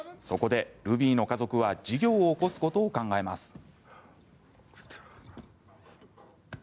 そこで、ルビーの家族は事業を興すことを考えます。